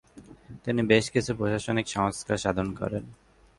তিনি বেশ কিছু প্রশাসনিক সংস্কার সাধন করেন।